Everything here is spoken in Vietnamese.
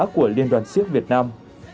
của liên đoàn siếc việt nam